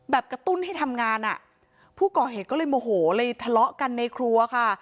กระตุ้นให้ทำงานอ่ะผู้ก่อเหตุก็เลยโมโหเลยทะเลาะกันในครัวค่ะ